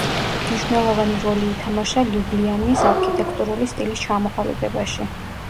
მნიშვნელოვანი როლი ითამაშა ლიუბლიანის არქიტექტურული სტილის ჩამოყალიბებაში.